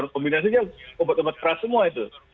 kombinasinya obat obat keras semua itu